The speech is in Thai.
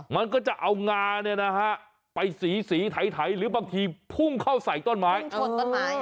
มันก็จะเอางาเนี่ยนะฮะไปสีสีไถหรือบางทีพุ่งเข้าใส่ต้นไม้ชนต้นไม้